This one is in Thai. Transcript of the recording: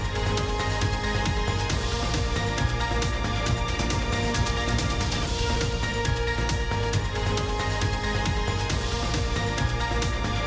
โปรดติดตามตอนต่อไป